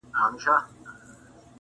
• له خپل کوششه نا امیده نه وي..